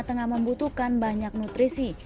tengah membutuhkan banyak nutrisi